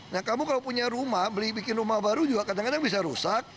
nah kamu kalau punya rumah beli bikin rumah baru juga kadang kadang bisa rusak